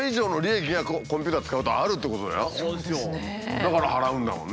だから払うんだもんね。